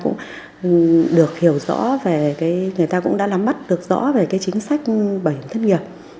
người ta cũng đã làm bắt được rõ về chính sách bảo hiểm thất nghiệp